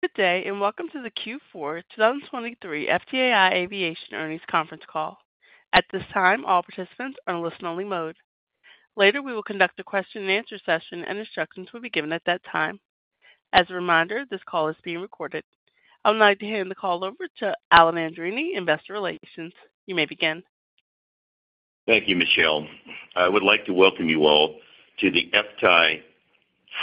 Good day, and welcome to the Q4 2023 FTAI Aviation Earnings Conference Call. At this time, all participants are in listen-only mode. Later, we will conduct a question-and-answer session, and instructions will be given at that time. As a reminder, this call is being recorded. I would like to hand the call over to Alan Andreini, Investor Relations. You may begin. Thank you, Michelle. I would like to welcome you all to the FTAI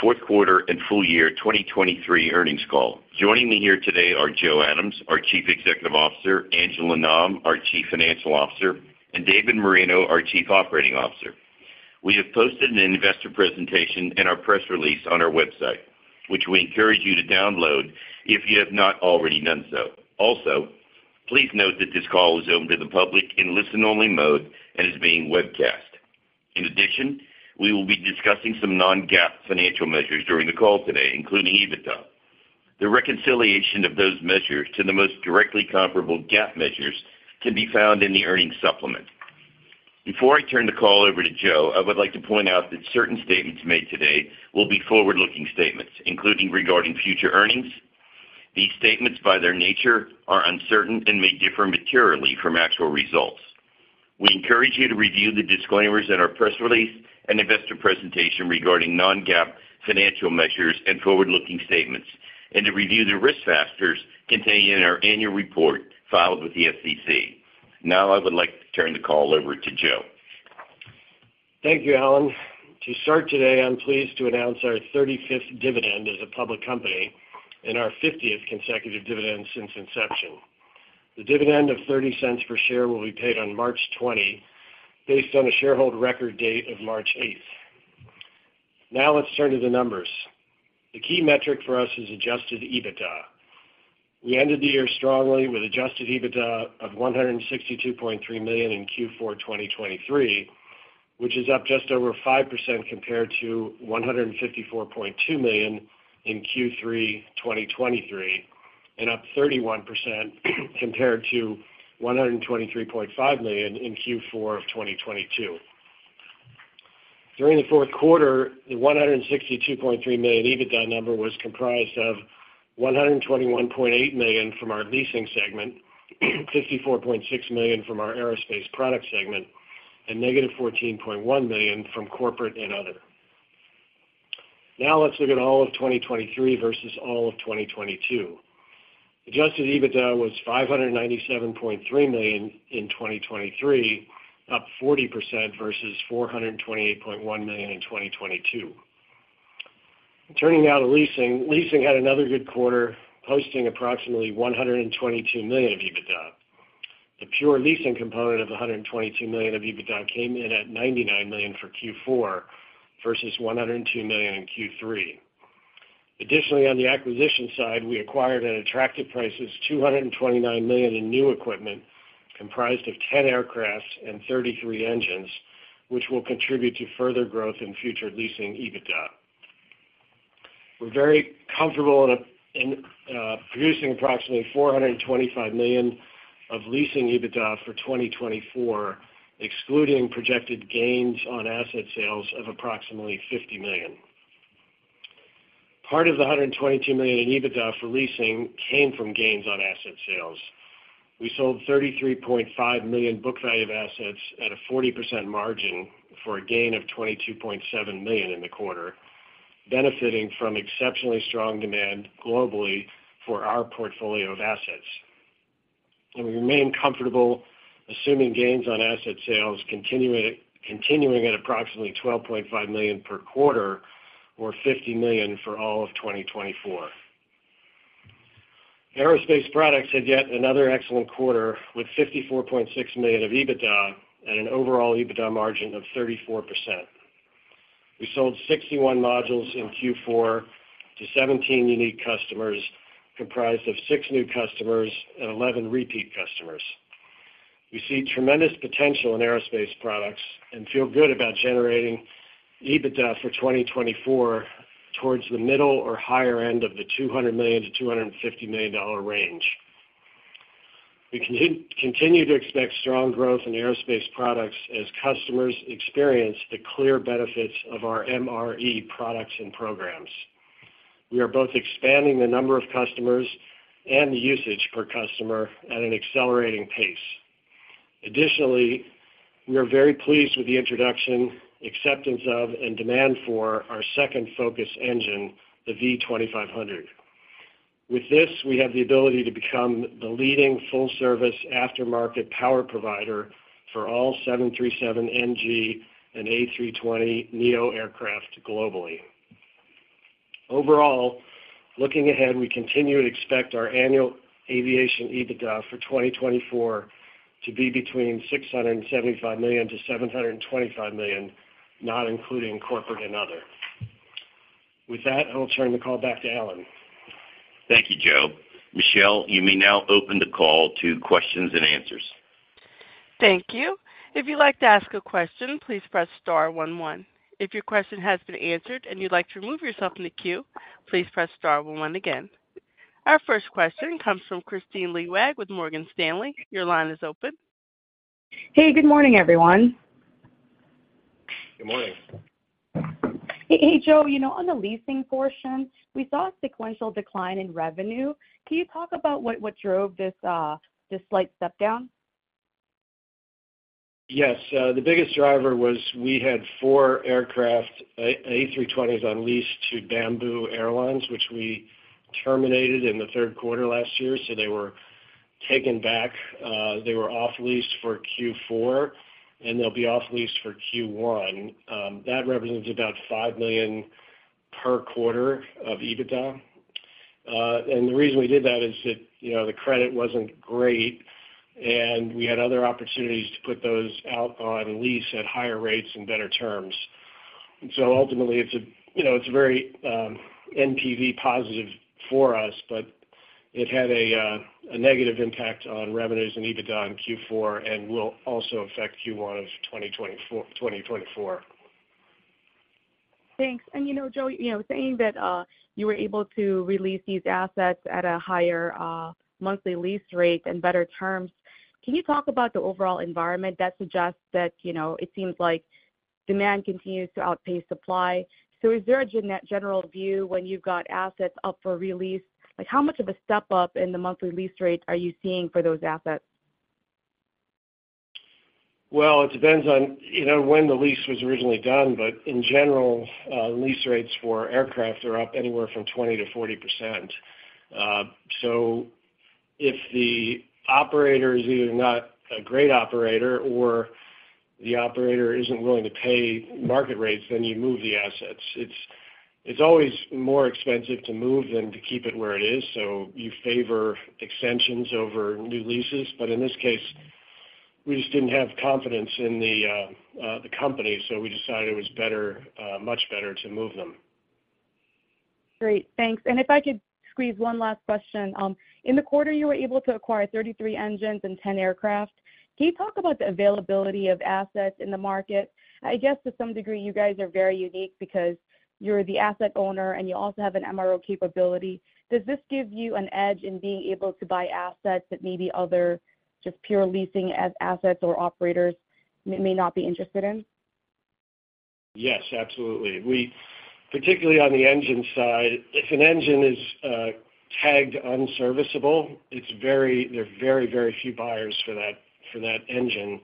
fourth quarter and full year 2023 earnings call. Joining me here today are Joe Adams, our Chief Executive Officer, Angela Nam, our Chief Financial Officer, and David Moreno, our Chief Operating Officer. We have posted an investor presentation in our press release on our website, which we encourage you to download if you have not already done so. Also, please note that this call is open to the public in listen-only mode and is being webcast. In addition, we will be discussing some non-GAAP financial measures during the call today, including EBITDA. The reconciliation of those measures to the most directly comparable GAAP measures can be found in the earnings supplement. Before I turn the call over to Joe, I would like to point out that certain statements made today will be forward-looking statements, including regarding future earnings. These statements, by their nature, are uncertain and may differ materially from actual results. We encourage you to review the disclaimers in our press release and investor presentation regarding Non-GAAP financial measures and forward-looking statements, and to review the risk factors contained in our annual report filed with the SEC. Now, I would like to turn the call over to Joe. Thank you, Alan. To start today, I'm pleased to announce our 35th dividend as a public company and our 50th consecutive dividend since inception. The dividend of $0.30 per share will be paid on March 20, based on a shareholder record date of March 8. Now, let's turn to the numbers. The key metric for us is adjusted EBITDA. We ended the year strongly with adjusted EBITDA of $162.3 million in Q4 2023, which is up just over 5% compared to $154.2 million in Q3 2023, and up 31% compared to $123.5 million in Q4 2022. During the fourth quarter, the $162.3 million EBITDA number was comprised of $121.8 million from our leasing segment, $54.6 million from our aerospace product segment, and -$14.1 million from corporate and other. Now, let's look at all of 2023 versus all of 2022. Adjusted EBITDA was $597.3 million in 2023, up 40% versus $428.1 million in 2022. Turning now to leasing. Leasing had another good quarter, posting approximately $122 million of EBITDA. The pure leasing component of $122 million of EBITDA came in at $99 million for Q4 versus $102 million in Q3. Additionally, on the acquisition side, we acquired at attractive prices, $229 million in new equipment, comprised of 10 aircraft and 33 engines, which will contribute to further growth in future leasing EBITDA. We're very comfortable in producing approximately $425 million of leasing EBITDA for 2024, excluding projected gains on asset sales of approximately $50 million. Part of the $122 million in EBITDA for leasing came from gains on asset sales. We sold $33.5 million book value of assets at a 40% margin for a gain of $22.7 million in the quarter, benefiting from exceptionally strong demand globally for our portfolio of assets. And we remain comfortable assuming gains on asset sales continuing, continuing at approximately $12.5 million per quarter or $50 million for all of 2024. Aerospace products had yet another excellent quarter, with $54.6 million of EBITDA and an overall EBITDA margin of 34%. We sold 61 modules in Q4 to 17 unique customers, comprised of 6 new customers and 11 repeat customers. We see tremendous potential in aerospace products and feel good about generating EBITDA for 2024 towards the middle or higher end of the $200 million-$250 million range. We continue to expect strong growth in aerospace products as customers experience the clear benefits of our MRE products and programs. We are both expanding the number of customers and the usage per customer at an accelerating pace. Additionally, we are very pleased with the introduction, acceptance of, and demand for our second focus engine, the V2500. With this, we have the ability to become the leading full-service aftermarket power provider for all 737NG and A320neo aircraft globally. Overall, looking ahead, we continue to expect our annual aviation EBITDA for 2024 to be between $675 million-$725 million, not including corporate and other. With that, I'll turn the call back to Alan. Thank you, Joe. Michelle, you may now open the call to questions and answers. Thank you. If you'd like to ask a question, please press star one, one. If your question has been answered and you'd like to remove yourself from the queue, please press star one one again. Our first question comes from Kristine Liwag with Morgan Stanley. Your line is open. Hey, good morning, everyone. ... Good morning. Hey, hey, Joe, you know, on the leasing portion, we saw a sequential decline in revenue. Can you talk about what drove this slight step down? Yes, the biggest driver was we had four aircraft, A320s on lease to Bamboo Airways, which we terminated in the third quarter last year, so they were taken back. They were off lease for Q4, and they'll be off lease for Q1. That represents about $5 million per quarter of EBITDA. And the reason we did that is that, you know, the credit wasn't great, and we had other opportunities to put those out on lease at higher rates and better terms. So ultimately, it's a, you know, it's very, NPV positive for us, but it had a, a negative impact on revenues and EBITDA in Q4 and will also affect Q1 of 2024, 2024. Thanks. You know, Joe, you know, saying that you were able to release these assets at a higher monthly lease rate and better terms, can you talk about the overall environment that suggests that, you know, it seems like demand continues to outpace supply? So is there a general view when you've got assets up for release? Like, how much of a step up in the monthly lease rate are you seeing for those assets? Well, it depends on, you know, when the lease was originally done, but in general, lease rates for aircraft are up anywhere from 20%-40%. So if the operator is either not a great operator or the operator isn't willing to pay market rates, then you move the assets. It's always more expensive to move than to keep it where it is, so you favor extensions over new leases. But in this case, we just didn't have confidence in the company, so we decided it was better, much better to move them. Great, thanks. And if I could squeeze one last question. In the quarter, you were able to acquire 33 engines and 10 aircraft. Can you talk about the availability of assets in the market? I guess to some degree, you guys are very unique because you're the asset owner, and you also have an MRO capability. Does this give you an edge in being able to buy assets that maybe other just pure leasing as assets or operators may not be interested in? Yes, absolutely. We particularly on the engine side, if an engine is tagged unserviceable, it's very there are very, very few buyers for that, for that engine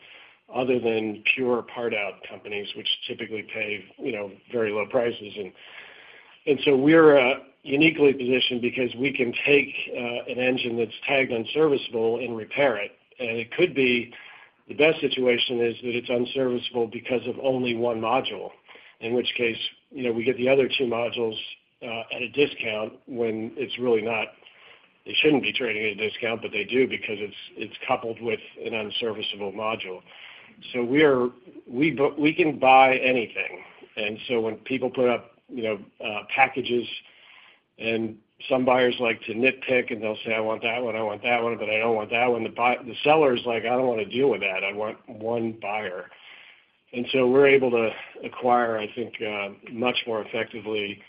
other than pure part-out companies, which typically pay, you know, very low prices. And so we're uniquely positioned because we can take an engine that's tagged unserviceable and repair it. And it could be, the best situation is that it's unserviceable because of only one module, in which case, you know, we get the other two modules at a discount when it's really not. They shouldn't be trading at a discount, but they do because it's coupled with an unserviceable module. So we can buy anything. And so when people put up, you know, packages, and some buyers like to nitpick, and they'll say, "I want that one, I want that one, but I don't want that one," the seller's like, "I don't want to deal with that. I want one buyer." And so we're able to acquire, I think, much more effectively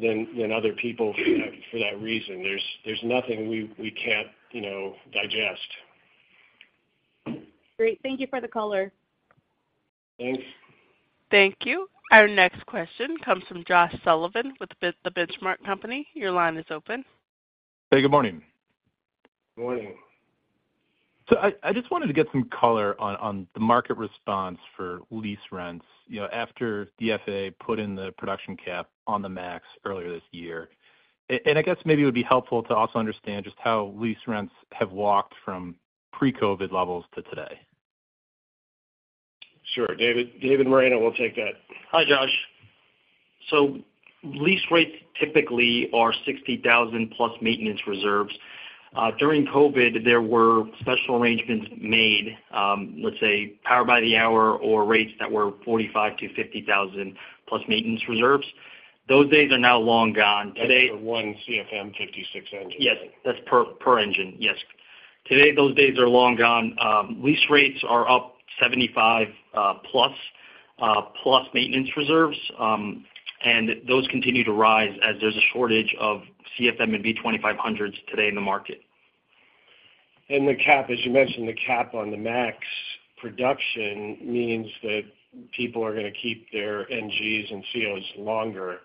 than other people for that, for that reason. There's nothing we can't, you know, digest. Great. Thank you for the color. Thanks. Thank you. Our next question comes from Josh Sullivan with The Benchmark Company. Your line is open. Hey, good morning. Morning. So I just wanted to get some color on the market response for lease rents, you know, after the FAA put in the production cap on the MAX earlier this year. I guess maybe it would be helpful to also understand just how lease rents have walked from pre-COVID levels to today. Sure. David, David Moreno will take that. Hi, Josh. So lease rates typically are $60,000 plus maintenance reserves. During COVID, there were special arrangements made, let's say, power by the hour or rates that were $45,000-$50,000 plus maintenance reserves. Those days are now long gone. Today- That's for one CFM56 engine. Yes, that's per engine, yes. Today, those days are long gone. Lease rates are up 75, plus maintenance reserves, and those continue to rise as there's a shortage of CFM and V2500s today in the market. The cap, as you mentioned, the cap on the MAX production means that people are gonna keep their NGs and ceos longer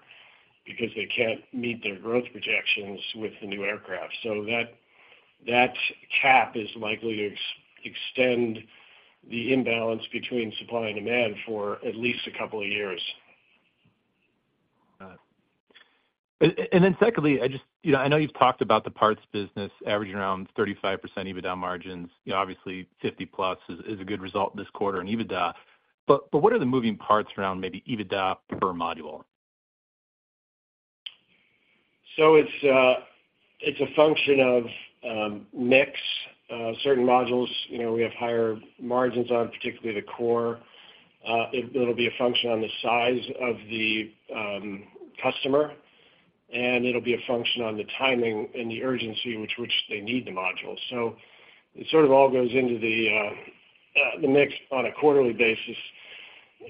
because they can't meet their growth projections with the new aircraft. That, that cap is likely to extend the imbalance between supply and demand for at least a couple of years. Got it. And then secondly, I just... You know, I know you've talked about the parts business averaging around 35% EBITDA margins. You know, obviously, 50+ is a good result this quarter in EBITDA. But what are the moving parts around maybe EBITDA per module? So it's a function of mix. Certain modules, you know, we have higher margins on, particularly the core. It'll be a function on the size of the customer, and it'll be a function on the timing and the urgency with which they need the module. So it sort of all goes into the mix on a quarterly basis,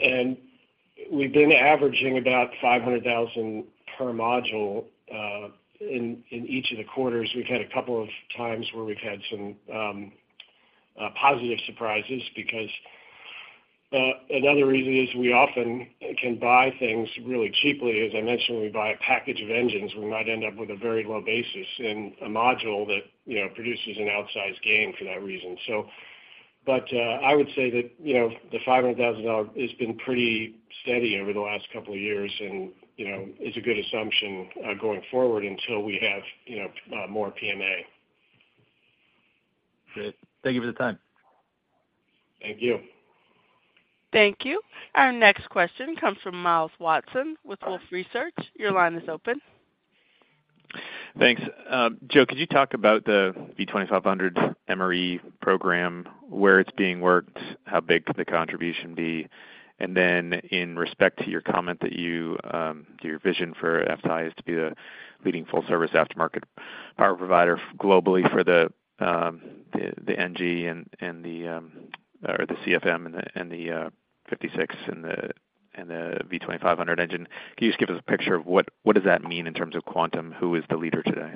and we've been averaging about $500,000 per module in each of the quarters. We've had a couple of times where we've had some positive surprises, because another reason is we often can buy things really cheaply. As I mentioned, when we buy a package of engines, we might end up with a very low basis and a module that, you know, produces an outsized gain for that reason. But, I would say that, you know, the $500,000 has been pretty steady over the last couple of years, and, you know, it's a good assumption going forward until we have, you know, more PMA. Great. Thank you for the time. Thank you. Thank you. Our next question comes from Myles Walton with Wolfe Research. Your line is open. Thanks. Joe, could you talk about the V2500 MRE program, where it's being worked, how big could the contribution be? And then in respect to your comment that you, that your vision for FTAI is to be the leading full service aftermarket power provider globally for the, the NG and the, or the CFM56 and the V2500 engine. Can you just give us a picture of what, what does that mean in terms of quantum? Who is the leader today?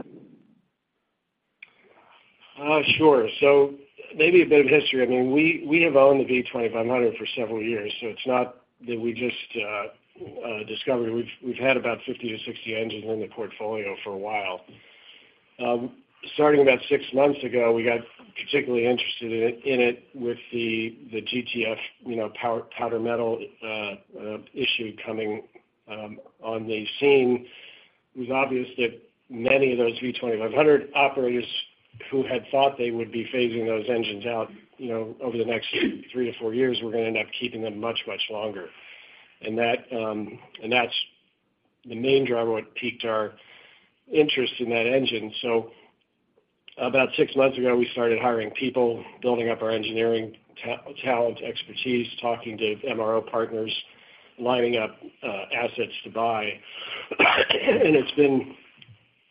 Sure. So maybe a bit of history. I mean, we have owned the V2500 for several years, so it's not that we just discovered it. We've had about 50-60 engines in the portfolio for a while. Starting about six months ago, we got particularly interested in it with the GTF, you know, powder metal issue coming on the scene. It was obvious that many of those V2500 operators who had thought they would be phasing those engines out, you know, over the next 3-4 years, were gonna end up keeping them much, much longer. And that's the main driver what piqued our interest in that engine. So about 6 months ago, we started hiring people, building up our engineering talent, expertise, talking to MRO partners, lining up assets to buy. And it's been,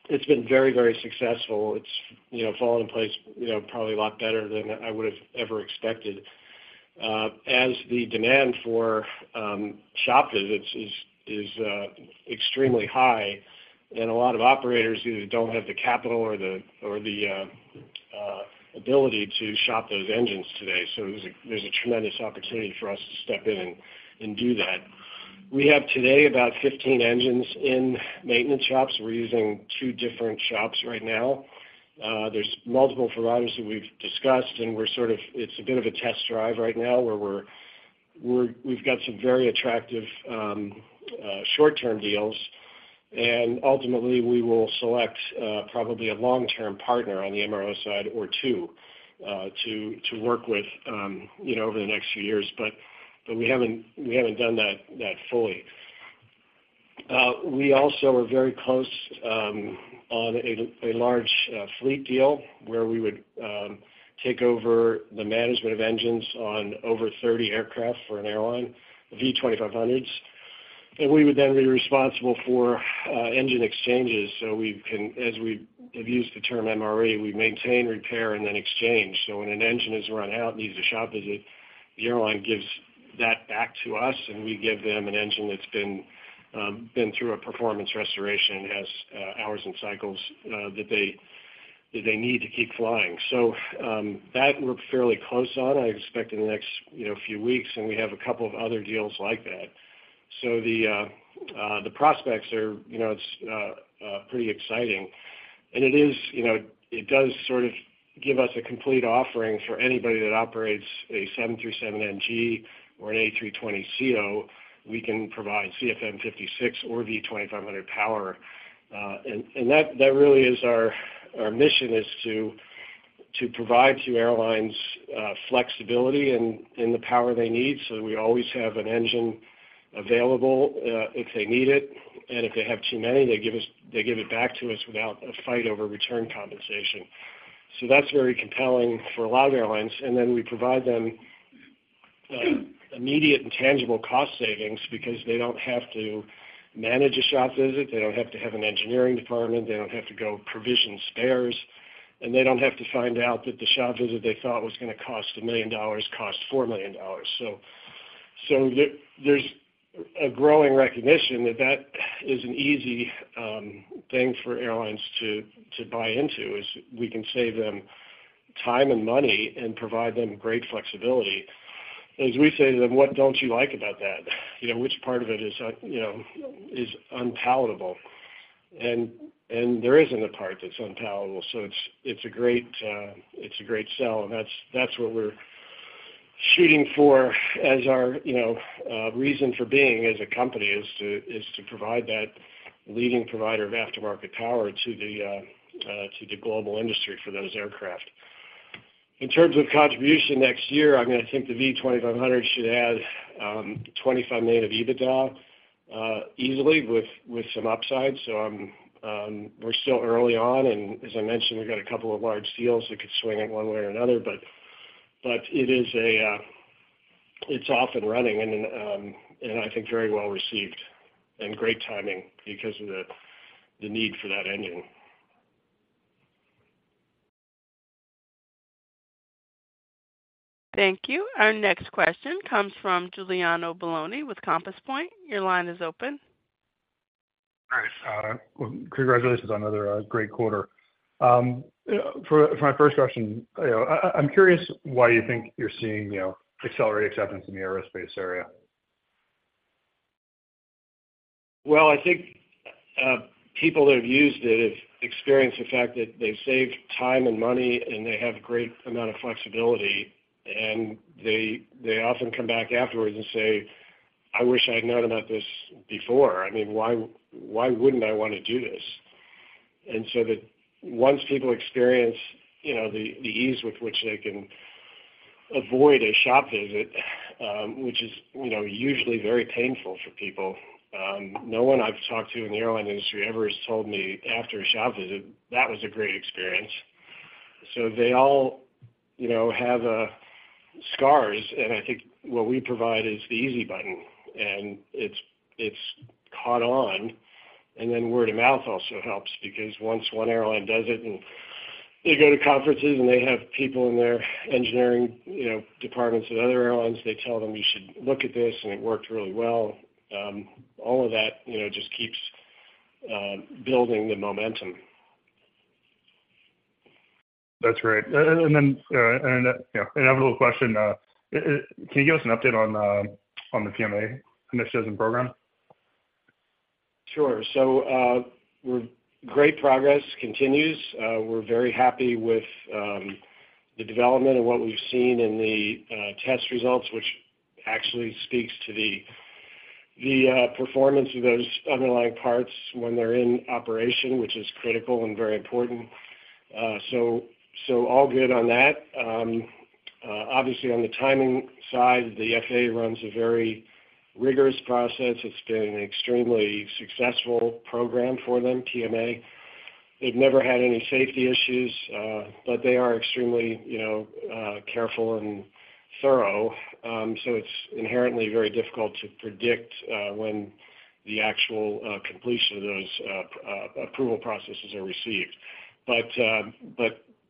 it's been very, very successful. It's, you know, fallen in place, you know, probably a lot better than I would have ever expected. As the demand for shop visits is extremely high, and a lot of operators either don't have the capital or the ability to shop those engines today. So there's a tremendous opportunity for us to step in and do that. We have today about 15 engines in maintenance shops. We're using 2 different shops right now. There are multiple providers that we've discussed, and we're sort of—it's a bit of a test drive right now, where we've got some very attractive short-term deals. And ultimately, we will select probably a long-term partner on the MRO side or two to work with, you know, over the next few years. But we haven't done that fully. We also are very close on a large fleet deal where we would take over the management of engines on over 30 aircraft for an airline, V2500s, and we would then be responsible for engine exchanges. So we can, as we have used the term MRE, we maintain, repair, and then exchange. So when an engine is run out, needs a shop visit, the airline gives that back to us, and we give them an engine that's been through a performance restoration and has hours and cycles that they, that they need to keep flying. So that we're fairly close on, I expect in the next, you know, few weeks, and we have a couple of other deals like that. So the prospects are, you know, it's pretty exciting. And it is, you know, it does sort of give us a complete offering for anybody that operates a 737 through 737NG or an A320ceo, we can provide CFM56 or V2500 power. And that really is our mission, is to provide to airlines flexibility in the power they need, so we always have an engine available, if they need it, and if they have too many, they give it back to us without a fight over return compensation. So that's very compelling for a lot of airlines. And then we provide them immediate and tangible cost savings because they don't have to manage a shop visit, they don't have to have an engineering department, they don't have to go provision spares, and they don't have to find out that the shop visit they thought was gonna cost $1 million, costs $4 million. So there, there's a growing recognition that that is an easy thing for airlines to buy into, is we can save them time and money and provide them great flexibility. As we say to them, "What don't you like about that? You know, which part of it is, you know, is unpalatable?" And there isn't a part that's unpalatable, so it's a great, it's a great sell, and that's what we're shooting for as our, you know, reason for being as a company, is to provide that leading provider of aftermarket power to the to the global industry for those aircraft. In terms of contribution next year, I mean, I think the V2500 should add $25 million of EBITDA easily with some upside. So I'm, we're still early on, and as I mentioned, we've got a couple of large deals that could swing it one way or another. But it is, it's off and running, and I think very well received and great timing because of the need for that engine. Thank you. Our next question comes from Giuliano Bologna with Compass Point. Your line is open.... Well, congratulations on another great quarter. For my first question, I'm curious why you think you're seeing, you know, accelerated acceptance in the aerospace area? Well, I think, people that have used it have experienced the fact that they've saved time and money, and they have a great amount of flexibility, and they, they often come back afterwards and say, "I wish I'd known about this before. I mean, why, why wouldn't I want to do this?" And so that once people experience, you know, the, the ease with which they can avoid a shop visit, which is, you know, usually very painful for people. No one I've talked to in the airline industry ever has told me after a shop visit, "That was a great experience." So they all, you know, have, scars, and I think what we provide is the easy button, and it's, it's caught on. And then word of mouth also helps because once one airline does it, and they go to conferences, and they have people in their engineering, you know, departments and other airlines, they tell them, "You should look at this, and it worked really well." All of that, you know, just keeps building the momentum. That's great. And then, you know, inevitable question, can you give us an update on the PMA initiatives and program? Sure. So, we're great progress continues. We're very happy with the development and what we've seen in the test results, which actually speaks to the performance of those underlying parts when they're in operation, which is critical and very important. So all good on that. Obviously, on the timing side, the FAA runs a very rigorous process. It's been an extremely successful program for them, PMA. They've never had any safety issues, but they are extremely, you know, careful and thorough. So it's inherently very difficult to predict when the actual completion of those approval processes are received.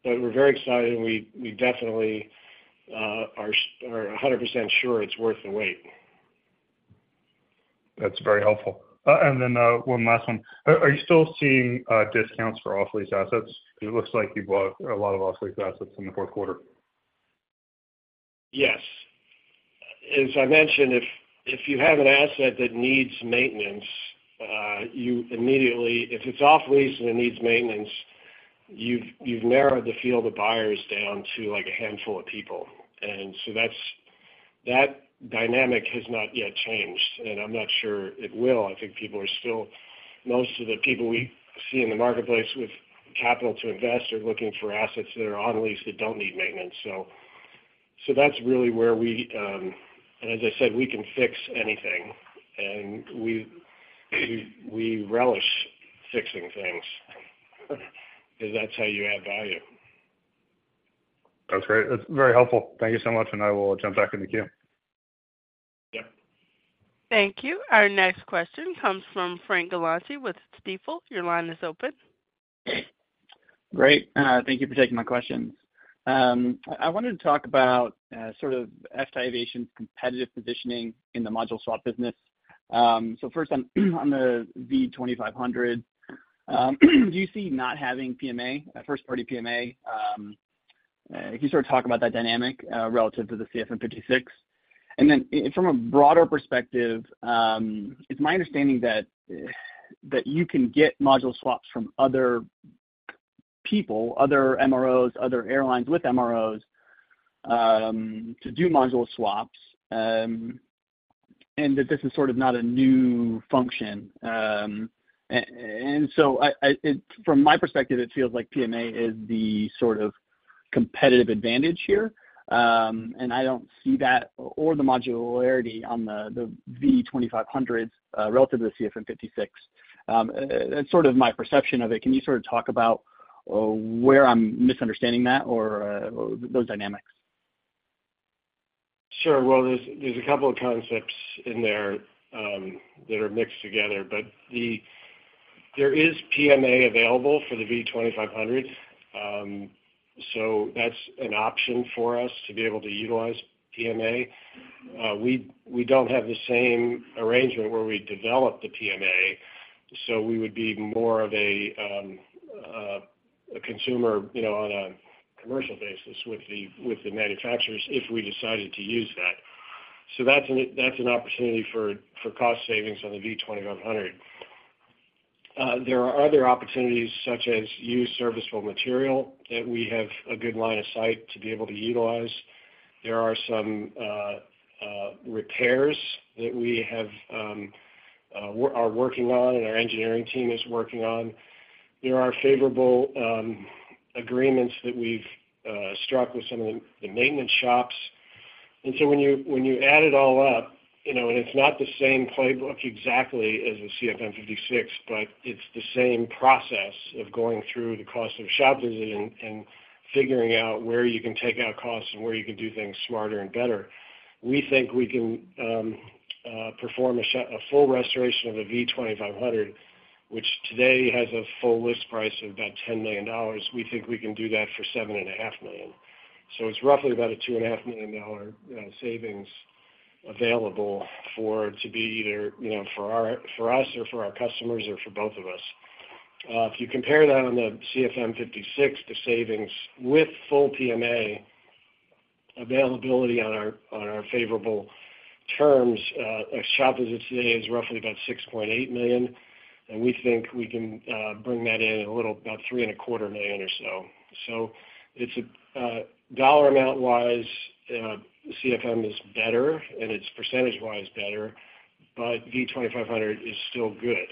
But we're very excited, and we definitely are 100% sure it's worth the wait. That's very helpful. And then, one last one. Are you still seeing discounts for off-lease assets? It looks like you bought a lot of off-lease assets in the fourth quarter. Yes. As I mentioned, if you have an asset that needs maintenance, you immediately—if it's off-lease and it needs maintenance, you've narrowed the field of buyers down to, like, a handful of people. And so that's, that dynamic has not yet changed, and I'm not sure it will. I think people are still... Most of the people we see in the marketplace with capital to invest are looking for assets that are on lease that don't need maintenance. So that's really where we, and as I said, we can fix anything, and we relish fixing things. Because that's how you add value. That's great. That's very helpful. Thank you so much, and I will jump back in the queue. Yeah. Thank you. Our next question comes from Frank Galanti with Stifel. Your line is open. Great, thank you for taking my questions. I wanted to talk about, sort of, FTAI Aviation's competitive positioning in the module swap business. So first on the V2500, do you see not having PMA, a first-party PMA, can you sort of talk about that dynamic relative to the CFM56? And then from a broader perspective, it's my understanding that you can get module swaps from other people, other MROs, other airlines with MROs, to do module swaps, and that this is sort of not a new function. And so from my perspective, it feels like PMA is the sort of competitive advantage here. And I don't see that or the modularity on the V2500 relative to the CFM56. That's sort of my perception of it. Can you sort of talk about where I'm misunderstanding that or those dynamics? Sure. Well, there's a couple of concepts in there that are mixed together, but there is PMA available for the V2500. So that's an option for us to be able to utilize PMA. We don't have the same arrangement where we develop the PMA, so we would be more of a consumer, you know, on a commercial basis with the manufacturers if we decided to use that. So that's an opportunity for cost savings on the V2500. There are other opportunities, such as used serviceable material, that we have a good line of sight to be able to utilize. There are some repairs that we have, we're working on and our engineering team is working on. There are favorable agreements that we've struck with some of the maintenance shops. And so when you add it all up, you know, and it's not the same playbook exactly as the CFM56, but it's the same process of going through the cost of shop visit and figuring out where you can take out costs and where you can do things smarter and better. We think we can perform a full restoration of a V2500, which today has a full list price of about $10 million. We think we can do that for $7.5 million. So it's roughly about a $2.5 million savings available for it to be either, you know, for our, for us or for our customers or for both of us. If you compare that on the CFM56, the savings with full PMA availability on our favorable terms, as it stands today, is roughly about $6.8 million, and we think we can bring that in a little, about $3.25 million or so. So it's dollar amount-wise, CFM is better, and it's percentage-wise better, but V2500 is still good.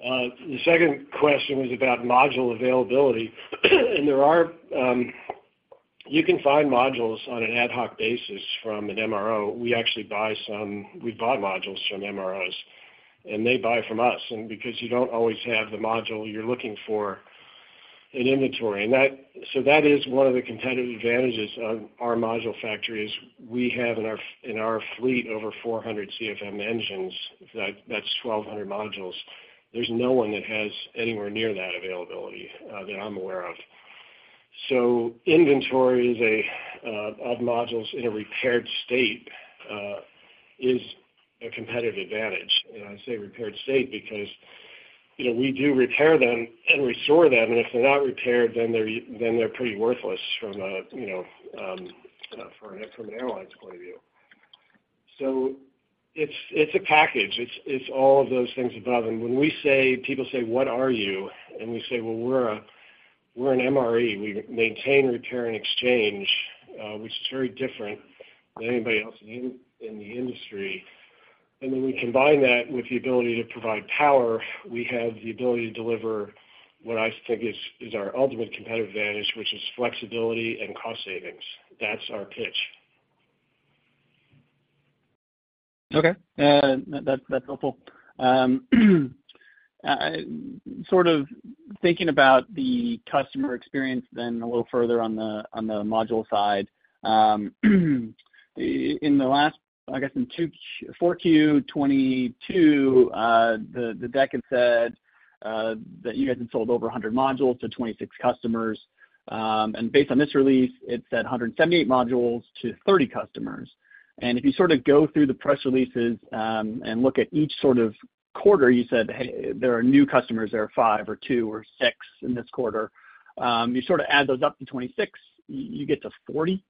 The second question was about module availability. There are, you can find modules on an ad hoc basis from an MRO. We actually buy some. We've bought modules from MROs, and they buy from us. And because you don't always have the module, you're looking for an inventory. And that. So that is one of the competitive advantages of our Module Factory, is we have in our fleet, over 400 CFM engines. That, that's 1,200 modules. There's no one that has anywhere near that availability, that I'm aware of. So inventory is a of modules in a repaired state is a competitive advantage. And I say repaired state because, you know, we do repair them and restore them, and if they're not repaired, then they're pretty worthless from a, you know, from, from an airline's point of view. So it's a package. It's all of those things above. And when we say, people say, "What are you?" And we say, "Well, we're a, we're an MRE. We maintain, repair, and exchange, which is very different than anybody else in the industry. When we combine that with the ability to provide power, we have the ability to deliver what I think is our ultimate competitive advantage, which is flexibility and cost savings. That's our pitch. Okay, that's, that's helpful. Sort of thinking about the customer experience then a little further on the, on the module side. In the last, I guess, in Q4 2022, the deck had said that you guys had sold over 100 modules to 26 customers. And based on this release, it said 178 modules to 30 customers. And if you sort of go through the press releases and look at each sort of quarter, you said, "Hey, there are new customers. There are 5 or 2 or 6 in this quarter." You sort of add those up to 26, you get to 40.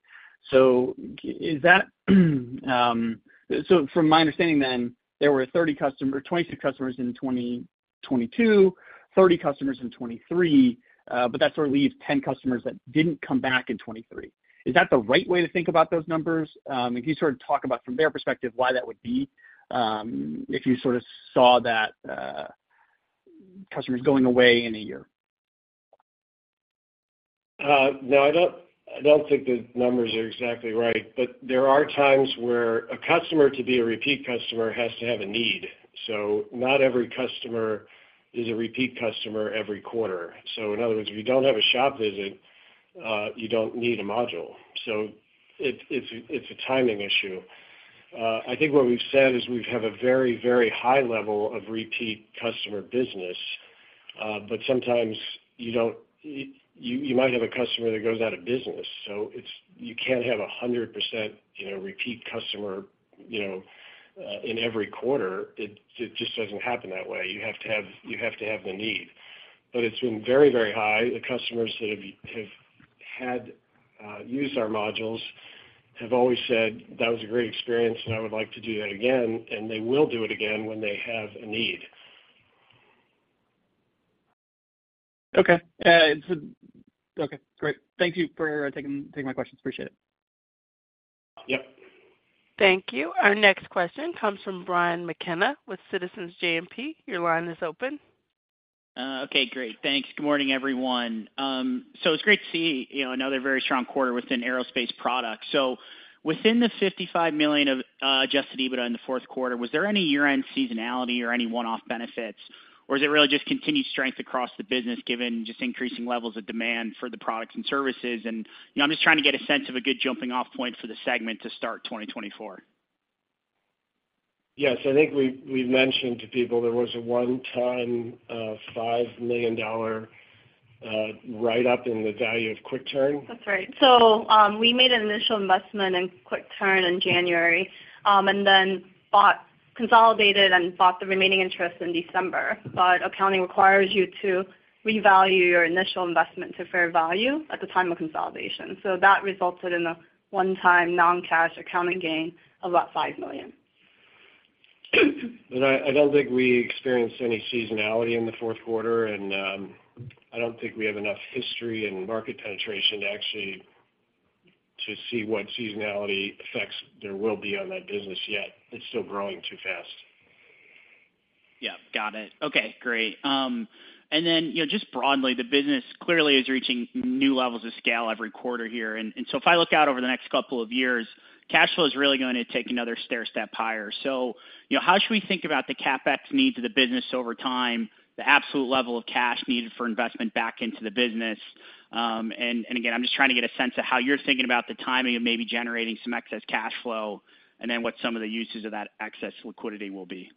So is that, so from my understanding, then, there were 26 customers in 2022, 30 customers in 2023, but that sort of leaves 10 customers that didn't come back in 2023. Is that the right way to think about those numbers? Can you sort of talk about from their perspective, why that would be, if you sort of saw that, customers going away in a year? No, I don't think the numbers are exactly right, but there are times where a customer, to be a repeat customer, has to have a need. So not every customer is a repeat customer every quarter. So in other words, if you don't have a shop visit, you don't need a module. So it's a timing issue. I think what we've said is we have a very, very high level of repeat customer business, but sometimes you don't, you might have a customer that goes out of business, so you can't have 100%, you know, repeat customer, you know, in every quarter. It just doesn't happen that way. You have to have the need. But it's been very, very high. The customers that have used our modules have always said, "That was a great experience, and I would like to do that again," and they will do it again when they have a need. Okay. Okay, great. Thank you for taking my questions. Appreciate it. Yep. Thank you. Our next question comes from Brian McKenna with Citizens JMP. Your line is open. Okay, great. Thanks. Good morning, everyone. So it's great to see, you know, another very strong quarter within aerospace products. So within the $55 million of Adjusted EBITDA in the fourth quarter, was there any year-end seasonality or any one-off benefits, or is it really just continued strength across the business, given just increasing levels of demand for the products and services? And, you know, I'm just trying to get a sense of a good jumping-off point for the segment to start 2024. Yes, I think we've mentioned to people there was a one-time $5 million write-up in the value of QuickTurn. That's right. So, we made an initial investment in QuickTurn in January, and then bought, consolidated and bought the remaining interest in December. But accounting requires you to revalue your initial investment to fair value at the time of consolidation. So that resulted in a one-time non-cash accounting gain of about $5 million. I don't think we experienced any seasonality in the fourth quarter, and I don't think we have enough history and market penetration to actually see what seasonality effects there will be on that business yet. It's still growing too fast. Yeah. Got it. Okay, great. And then, you know, just broadly, the business clearly is reaching new levels of scale every quarter here. And so if I look out over the next couple of years, cash flow is really going to take another stairstep higher. So, you know, how should we think about the CapEx needs of the business over time, the absolute level of cash needed for investment back into the business? And again, I'm just trying to get a sense of how you're thinking about the timing of maybe generating some excess cash flow, and then what some of the uses of that excess liquidity will be....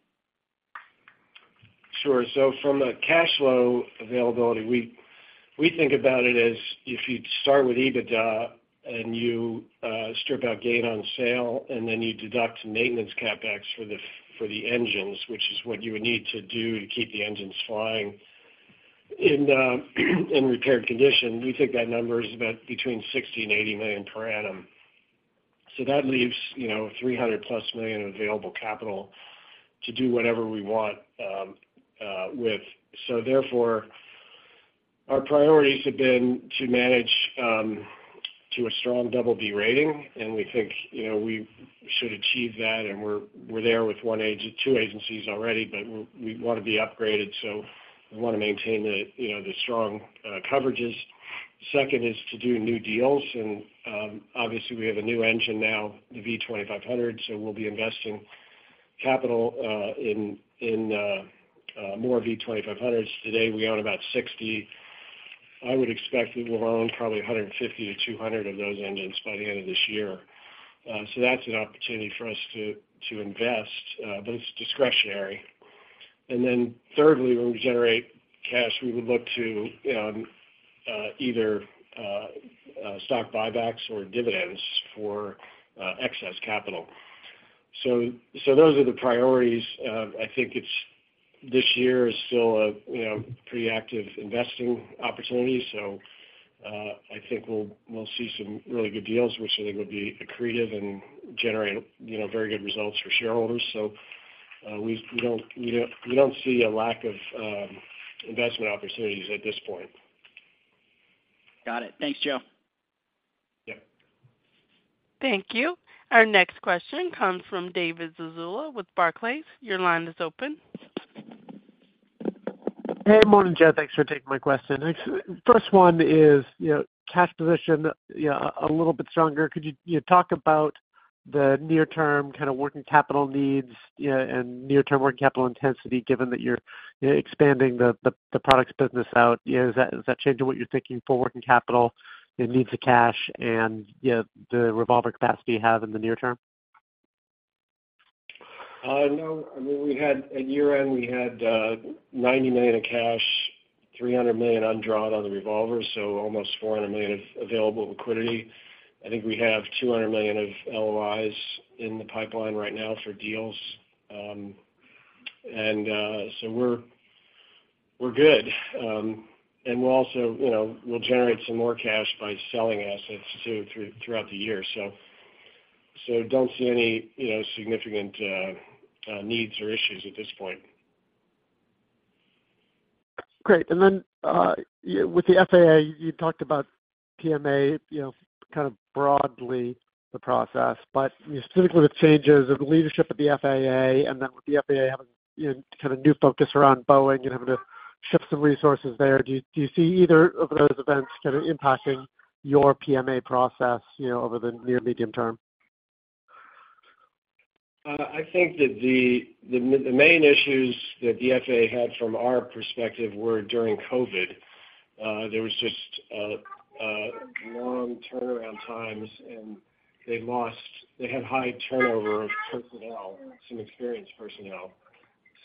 Sure. So from a cash flow availability, we think about it as if you'd start with EBITDA and you strip out gain on sale, and then you deduct some maintenance CapEx for the engines, which is what you would need to do to keep the engines flying in repaired condition. We think that number is about between $60 million and $80 million per annum. So that leaves, you know, $300+ million available capital to do whatever we want with. So therefore, our priorities have been to manage to a strong double B rating, and we think, you know, we should achieve that, and we're there with one agency - two agencies already, but we want to be upgraded, so we want to maintain the, you know, the strong coverages. Second is to do new deals, and, obviously, we have a new engine now, the V2500, so we'll be investing capital in more V2500s. Today, we own about 60. I would expect we will own probably 150-200 of those engines by the end of this year. So that's an opportunity for us to invest, but it's discretionary. And then thirdly, when we generate cash, we would look to, you know, either stock buybacks or dividends for excess capital. So those are the priorities. I think it's, this year is still a, you know, pretty active investing opportunity, so I think we'll see some really good deals, which I think will be accretive and generate, you know, very good results for shareholders. We don't see a lack of investment opportunities at this point. Got it. Thanks, Joe. Yeah. Thank you. Our next question comes from David Zazula with Barclays. Your line is open. Hey, morning, Joe. Thanks for taking my question. Next, first one is, you know, cash position, yeah, a little bit stronger. Could you talk about the near-term kind of working capital needs, yeah, and near-term working capital intensity, given that you're expanding the products business out? Yeah, is that changing what you're thinking for working capital, the needs of cash and, yeah, the revolver capacity you have in the near term? No. I mean, we had, at year-end, ninety million in cash, $300 million undrawn on the revolver, so almost $400 million of available liquidity. I think we have $200 million of LOIs in the pipeline right now for deals. And so we're good. And we're also, you know, we'll generate some more cash by selling assets too, throughout the year. So don't see any, you know, significant needs or issues at this point. Great. And then, with the FAA, you talked about PMA, you know, kind of broadly the process, but, you know, specifically with changes of leadership at the FAA and then with the FAA having, you know, kind of new focus around Boeing and having to shift some resources there, do you, do you see either of those events kind of impacting your PMA process, you know, over the near, medium term? I think that the main issues that the FAA had from our perspective were during COVID. There was just a long turnaround times, and they had high turnover of personnel, some experienced personnel.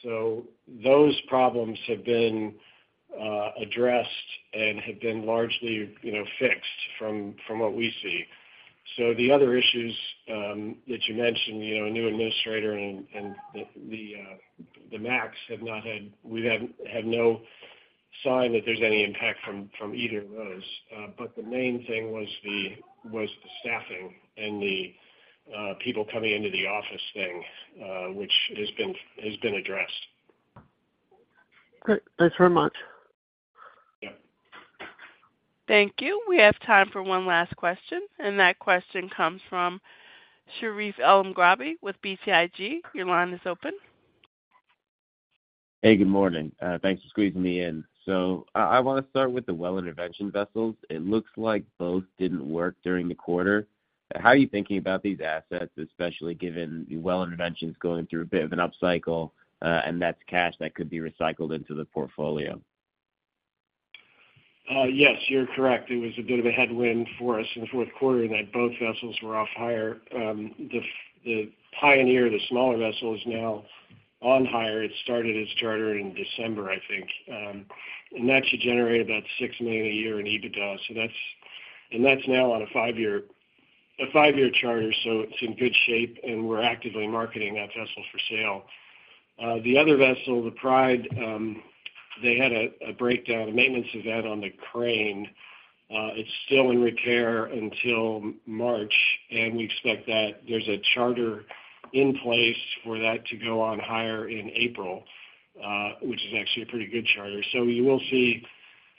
So those problems have been addressed and have been largely, you know, fixed from what we see. So the other issues that you mentioned, you know, a new administrator and the MAX have not had. We have no sign that there's any impact from either of those. But the main thing was the staffing and the people coming into the office thing, which has been addressed. Great. Thanks very much. Yeah. Thank you. We have time for one last question, and that question comes from Sherif El-Sabbahy with BTIG. Your line is open. Hey, good morning. Thanks for squeezing me in. So I wanna start with the well intervention vessels. It looks like both didn't work during the quarter. How are you thinking about these assets, especially given the well intervention's going through a bit of an upcycle, and that's cash that could be recycled into the portfolio? Yes, you're correct. It was a bit of a headwind for us in the fourth quarter, and that both vessels were off hire. The Pioneer, the smaller vessel, is now on hire. It started its charter in December, I think. And that should generate about $6 million a year in EBITDA. So that's, and that's now on a five-year, a five-year charter, so it's in good shape, and we're actively marketing that vessel for sale. The other vessel, the Pride, they had a, a breakdown, a maintenance event on the crane. It's still in repair until March, and we expect that there's a charter in place for that to go on hire in April, which is actually a pretty good charter. So you will see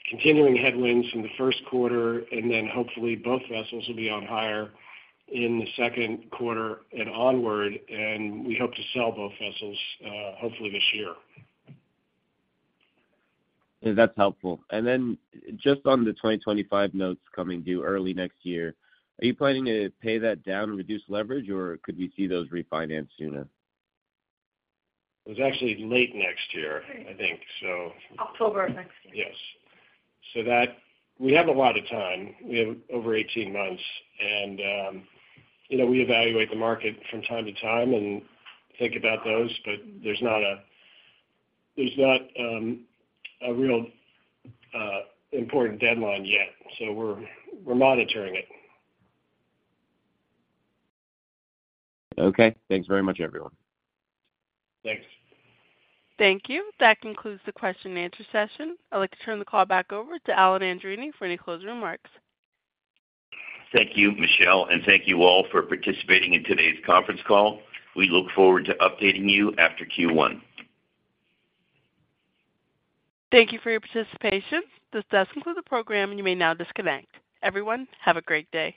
continuing headwinds in the first quarter, and then hopefully both vessels will be on hire in the second quarter and onward, and we hope to sell both vessels, hopefully this year. That's helpful. And then just on the 2025 notes coming due early next year, are you planning to pay that down and reduce leverage, or could we see those refinanced sooner? It was actually late next year, I think so. October of next year. Yes. So that, we have a lot of time. We have over 18 months, and you know, we evaluate the market from time to time and think about those, but there's not a real important deadline yet, so we're monitoring it. Okay. Thanks very much, everyone. Thanks. Thank you. That concludes the question and answer session. I'd like to turn the call back over to Alan Andreini for any closing remarks. Thank you, Michelle, and thank you all for participating in today's conference call. We look forward to updating you after Q1. Thank you for your participation. This does conclude the program, and you may now disconnect. Everyone, have a great day.